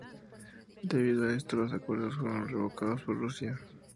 Debido a esto, los acuerdos fueron revocados por Rusia.